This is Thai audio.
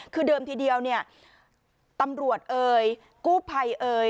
คือเดิมทีเดียวเนี่ยตำรวจเอ่ยกู้ภัยเอ่ย